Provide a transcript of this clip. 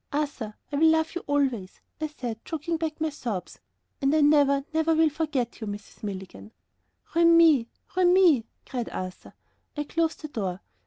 "Arthur, I will love you always," I said, choking back my sobs, "and I never, never will forget you, Mrs. Milligan." "Remi! Remi!" cried Arthur. I closed the door.